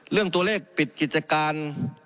เรื่องตัวเลขปิดกิจการ